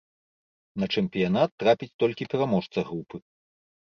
На чэмпіянат трапіць толькі пераможца групы.